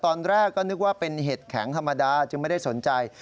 ตอนแรกก็นึกว่าเป็นเห็ดแข็งธรรมดาจึงไม่ได้สนใจ